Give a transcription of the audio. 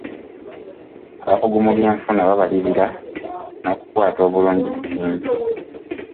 Abakugu mu byenfuna babalirira n'okukwata obulungi ensimbi.